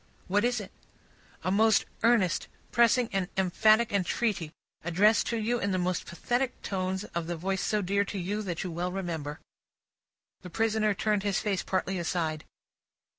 "What is it?" "A most earnest, pressing, and emphatic entreaty, addressed to you in the most pathetic tones of the voice so dear to you, that you well remember." The prisoner turned his face partly aside.